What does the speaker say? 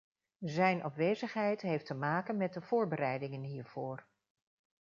Zijn afwezigheid heeft te maken met de voorbereidingen hiervoor.